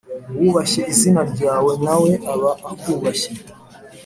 uwubashye izina ryawe nawe aba akubashye.